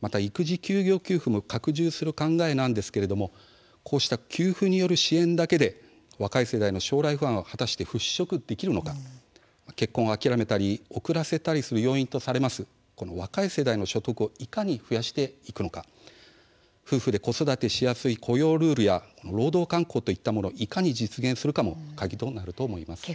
また育児休業給付も拡充する考えなんですがこうした給付による支援だけで若い世代の将来不安を果たして払拭できるのか結婚を諦めたり、遅らせたりする要因とされます若い世代の所得をいかに増やしていくのか夫婦で子育てのしやすい雇用ルールや労働慣行といったものをいかに実現するかも鍵となります。